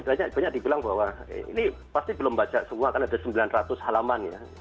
banyak dibilang bahwa ini pasti belum baca semua kan ada sembilan ratus halaman ya